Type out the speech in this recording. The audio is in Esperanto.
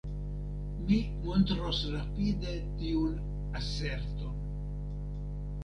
Mi montros rapide tiun aserton".